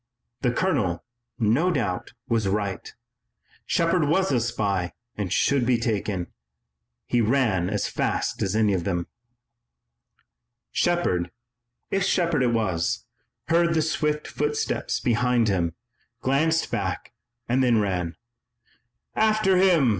The colonel, no doubt, was right. Shepard was a spy and should be taken. He ran as fast as any of them. Shepard, if Shepard it was, heard the swift footsteps behind him, glanced back and then ran. "After him!"